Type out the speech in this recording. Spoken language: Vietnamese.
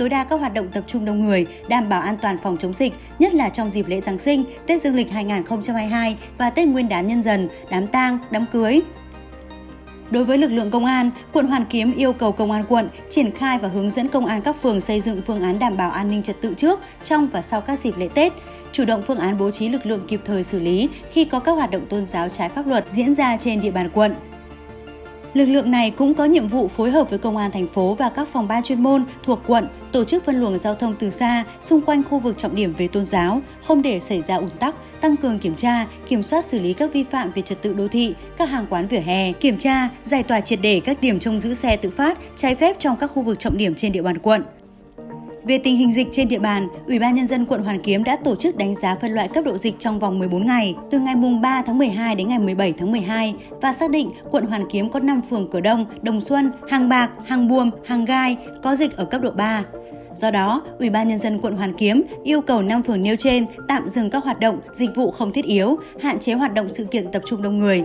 do đó ubnd quận hoàn kiếm yêu cầu năm phường nêu trên tạm dừng các hoạt động dịch vụ không thiết yếu hạn chế hoạt động sự kiện tập trung đông người